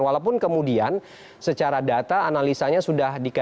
walaupun kemudian secara data analisanya sudah dikatakan